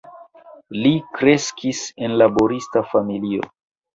Li kreskis en laborista familio.